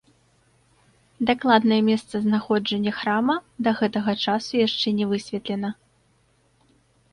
Дакладнае месцазнаходжанне храма да гэтага часу яшчэ не высветлена.